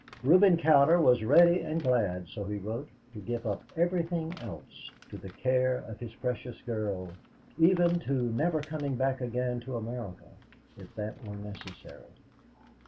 Reuben Cowder was ready and glad, so he wrote, to give up everything else to the care of his precious girl, even to never coming back again to America if that were necessary.